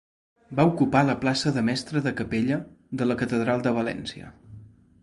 Va ocupar la plaça de mestre de capella de la Catedral de València.